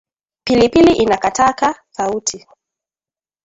Pilipili inakataka sauti